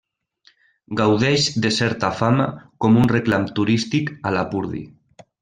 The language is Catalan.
Gaudeix de certa fama com un reclam turístic a Lapurdi.